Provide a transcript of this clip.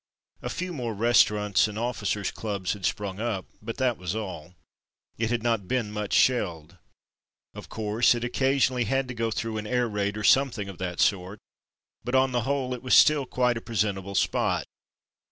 A few more restaurants and officers' clubs had sprung up, but that was all. It had not been much shelled. Of course it occasionally had to go through an air raid or something of that sort, but on the whole it was still quite a presentable spot.